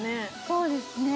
そうですね